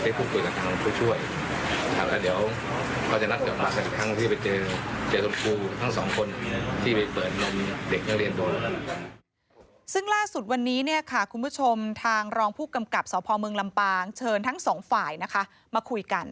ซึ่งล่าสุดวันนี้คุณผู้ชมทางรองผู้กำกับสมลำปางเชิญทั้งสองฝ่ายมาคุยกัน